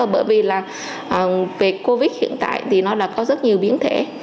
bởi vì là về covid hiện tại thì nó đã có rất nhiều biến thể